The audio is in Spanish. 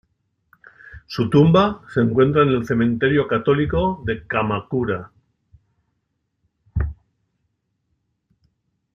Su tumba se encuentra en el cementerio católico de Kamakura.